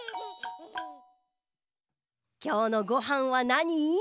きょうのごはんはなに？